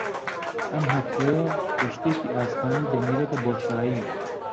ئەم هەفتەیە کەشتییەکی ئاسمانی دەنێرێتە بۆشایی